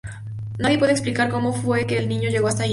Nadie puede explicar como fue que el niño llegó hasta ahí.